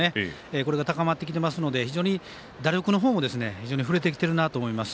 これが高まってきていますので非常に打力の方も非常に振れてきてるなと思います。